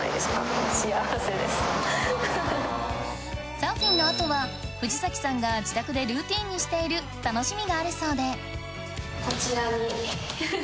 サーフィンは藤崎さんが自宅でルーティンにしている楽しみがあるそうでこちらにうふふ。